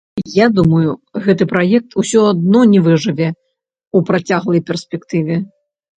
Я думаю, гэты праект усё адно не выжыве ў працяглай перспектыве.